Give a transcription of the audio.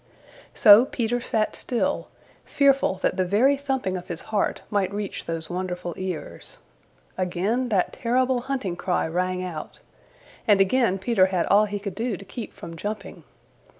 So Peter sat still, fearful that the very thumping of his heart might reach those wonderful ears. Again that terrible hunting cry rang out, and again Peter had all he could do to keep from jumping.